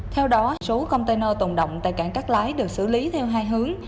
theo đó số container tồn đọc tại cảng cát lái được xử lý theo hai hướng